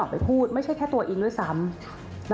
ก็พูดเสียงดังฐานชินวัฒน์